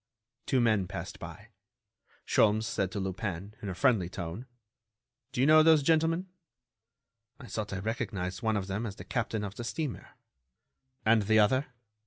Two men passed by. Sholmes said to Lupin, in a friendly tone: "Do you know those gentlemen?" "I thought I recognized one of them as the captain of the steamer." "And the other?"